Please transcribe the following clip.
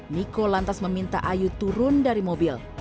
niko lantas meminta ayu turun dari mobil